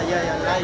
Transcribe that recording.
ya yang lain itu